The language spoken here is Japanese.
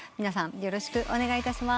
よろしくお願いします。